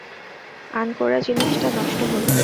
আনকোরা জিনিসটা নষ্ট হলো।